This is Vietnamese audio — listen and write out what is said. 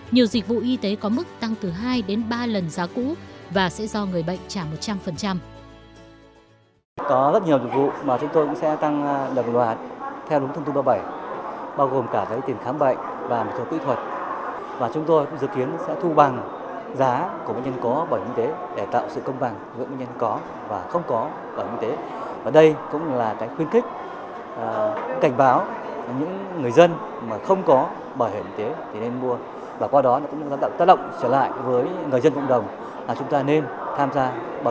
nhiều dịch vụ y tế có mức tăng từ hai đến ba lần giá cũ và sẽ do người bệnh trả một trăm linh